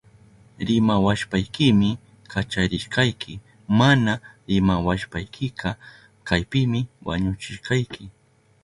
Rimawashpaykimi kacharishkayki. Mana rimawashpaykika kaypimi wañuchishkayki.